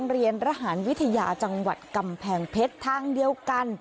เรียนระหารวิทยาจังหวัดกำแพงเพชรทางเดียวกัน